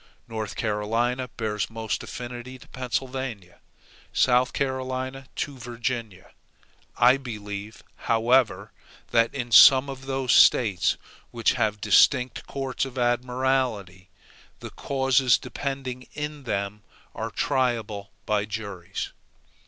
North Carolina bears most affinity to Pennsylvania; South Carolina to Virginia. I believe, however, that in some of those States which have distinct courts of admiralty, the causes depending in them are triable by juries.